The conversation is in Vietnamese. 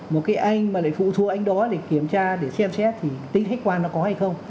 một cái anh mà lại phụ thuộc anh đó để kiểm tra để xem xét thì tính khách quan nó có hay không